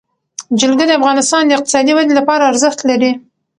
جلګه د افغانستان د اقتصادي ودې لپاره ارزښت لري.